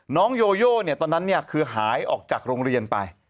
โยโยตอนนั้นคือหายออกจากโรงเรียนไป